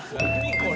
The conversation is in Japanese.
これ。